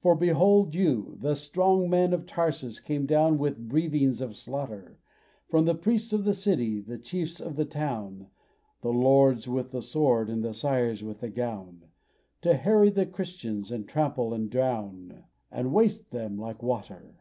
For, behold you! the strong man of Tarsus came down With breathings of slaughter, From the priests of the city, the chiefs of the town (The lords with the sword, and the sires with the gown), To harry the Christians, and trample, and drown, And waste them like water.